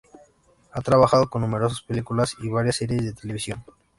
Ha trabajado en numerosas películas y varias series de televisión.